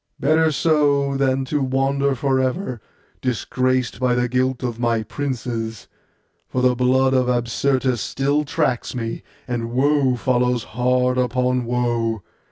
Better so, than to wander for ever, disgraced by the guilt of my princes; for the blood of Absyrtus still tracks me, and woe follows hard upon woe.